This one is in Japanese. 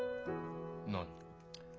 何？